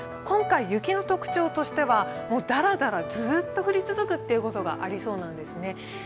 今回、雪の特徴としてはダラダラ、ずっと降り続くことがありそうなんですね。